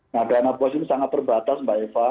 nah dana bos ini sangat terbatas mbak eva